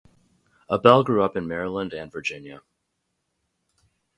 Abell grew up in Maryland and Virginia.